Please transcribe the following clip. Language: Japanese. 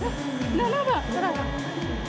７番。